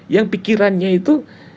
yang pikirannya itu